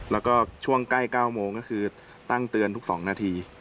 แล้วก็ช่วงใกล้๙โมงก็คือตั้งเตือนทุก๒นาที